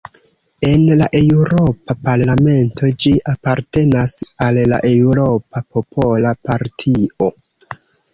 En la Eŭropa parlamento ĝi apartenas al la Eŭropa Popola Partio.